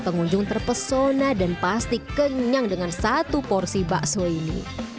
pengunjung terpesona dan pasti kenyang dengan satu porsi bakso ini